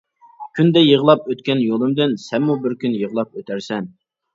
كۈندە يىغلاپ ئۆتكەن يولۇمدىن، سەنمۇ بىر كۈن يىغلاپ ئۆتەرسەن.